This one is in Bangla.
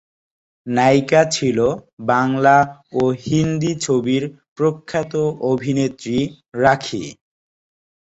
নায়িকা ছিল বাংলা ও হিন্দী ছবির প্রখ্যাত অভিনেত্রী রাখী।